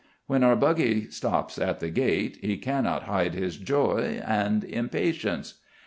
When our buggy stops at the gate he cannot hide his joy and impatience.